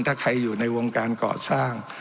ถ้าใครอยู่ในวงการก่อสร้าง